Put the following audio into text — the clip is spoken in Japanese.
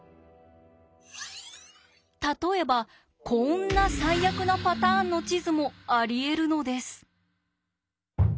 例えばこんな最悪なパターンの地図もありえるのです。